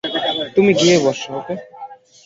তুমি গিয়ে বসো, ওকে?